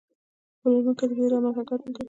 پلورونکی د ویرې له امله حرکت نه کوي.